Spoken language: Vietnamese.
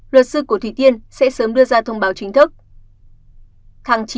luật sư của thủy tiên sẽ sớm đưa ra thông báo chính thức